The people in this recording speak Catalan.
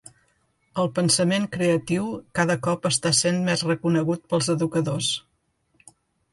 El pensament creatiu cada cop està sent més reconegut pels educadors.